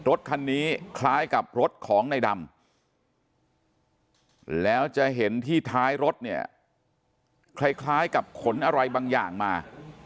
รถคันนี้คล้ายกับรถของในดำแล้วจะเห็นที่ท้ายรถเนี่ยคล้ายกับขนอะไรบางอย่างมา